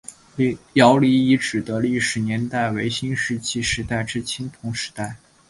姚李遗址的历史年代为新石器时代至青铜时代。